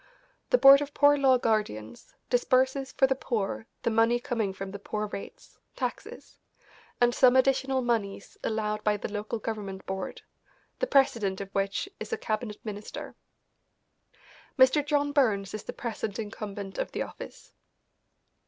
The Board of Poor Law Guardians disburses for the poor the money coming from the Poor Rates (taxes), and some additional moneys allowed by the local government board, the president of which is a cabinet minister. Mr. John Burns is the present incumbent of the office.